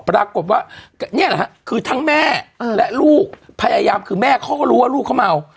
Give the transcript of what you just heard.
ปรากฏว่านี่แหละฮะคือทั้งแม่และลูกพยายามคือแม่เขาก็รู้ว่าลูกเขาเมา